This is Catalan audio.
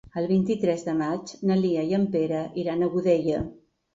El vint-i-tres de maig na Lia i en Pere iran a Godella.